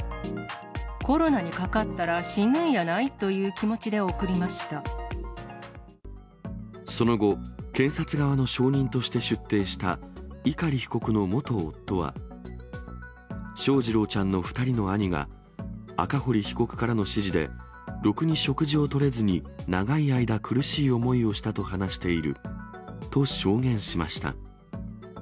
コロナにかかったら死ぬんやその後、検察側の証人として出廷した碇被告の元夫は、翔士郎ちゃんの２人の兄が赤堀被告からの指示で、ろくに食事をとれずに長い間苦しい思いをしたと話していると証言しました。